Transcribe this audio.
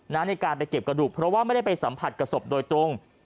ในการไปเก็บกระดูกเพราะว่าไม่ได้ไปสัมผัสกับศพโดยตรง